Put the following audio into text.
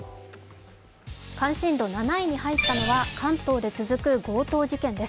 関心度７位になったのは関東で続く強盗事件です。